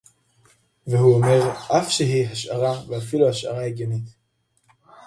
"והוא אומר: "אף שהיא השערה ואפילו השערה הגיונית"